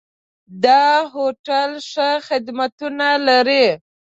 دا هوټل ښه خدمتونه لري.